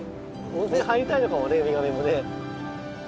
温泉入りたいのかもねウミガメもね。